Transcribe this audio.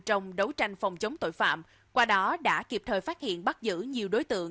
trong đấu tranh phòng chống tội phạm qua đó đã kịp thời phát hiện bắt giữ nhiều đối tượng